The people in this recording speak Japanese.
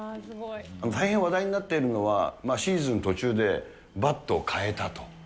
大変話題になっているのは、シーズン途中でバットを変えたと。